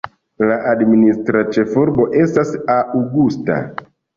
La administra ĉefurbo estas Augusta.